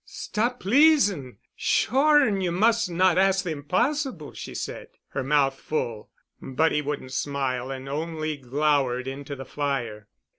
"Stop pleasing! Sure and you must not ask the impossible," she said, her mouth full. But he wouldn't smile and only glowered into the fire.